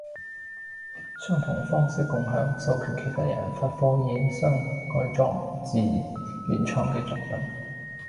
相同方式共享，授權其他人發放衍生改作自原創嘅作品